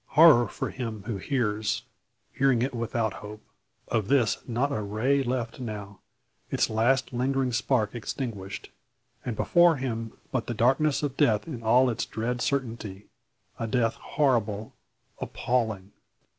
Horror for him who hears, hearing it without hope. Of this not a ray left now, its last lingering spark extinguished, and before him but the darkness of death in all its dread certainty a death horrible, appalling!